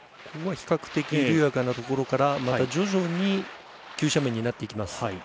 ここは比較的緩やかなところから徐々に急斜面になってきます。